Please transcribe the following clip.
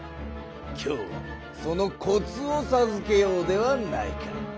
今日はそのコツをさずけようではないか。